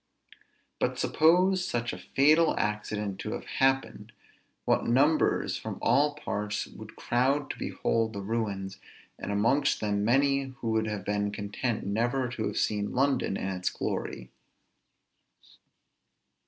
But suppose such a fatal accident to have happened, what numbers from all parts would crowd to behold the ruins, and amongst them many who would have been content never to have seen London in its glory!